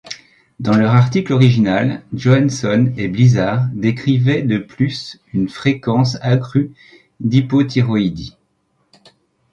Dans leur article original, Johanson et Blizzard décrivaient de plus une fréquence accrue d'hypothyroïdies.